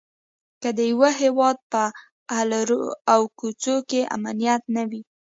که د یوه هيواد په الرو او کوڅو کې امنيت نه وي؛